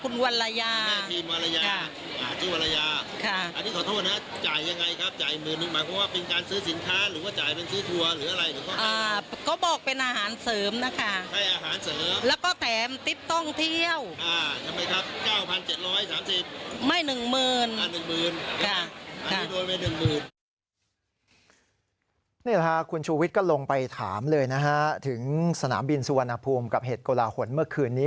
นี่แหละค่ะคุณชูวิทย์ก็ลงไปถามเลยนะฮะถึงสนามบินสุวรรณภูมิกับเหตุโกลาหลเมื่อคืนนี้